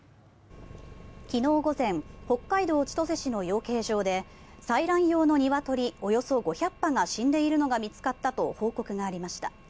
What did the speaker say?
昨日午前北海道千歳市の養鶏場で採卵用のニワトリおよそ５００羽が見つかったと報告がありました。